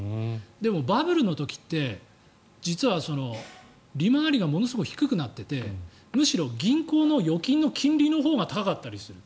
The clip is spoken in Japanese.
でも、バブルの時って実は利回りがものすごく低くなっててむしろ銀行の預金の金利のほうが高かったりする。